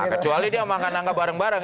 nah kecuali dia makan nangka bareng bareng